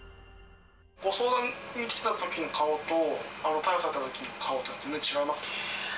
ご相談に来てたときの顔と、逮捕されたときの顔っていうのは、全然違いますか？